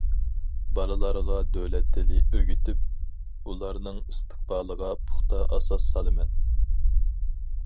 بالىلارغا دۆلەت تىلى ئۆگىتىپ، ئۇلارنىڭ ئىستىقبالىغا پۇختا ئاساس سالىمەن.